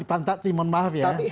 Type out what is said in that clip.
tidak ada yang menoloh